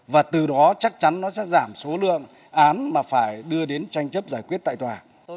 và từ đó chắc chắn nó sẽ giảm số lượng án mà phải đưa đến tranh chấp giải quyết tại tòa